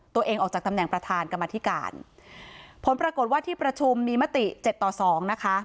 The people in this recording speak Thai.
ออกจากตำแหน่งประธานกรรมธิการผลปรากฏว่าที่ประชุมมีมติเจ็ดต่อสองนะคะ